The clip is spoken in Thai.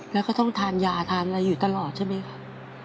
แล้วก็ต้องทานยาทานอะไรอยู่ตลอดใช่ไหมคะ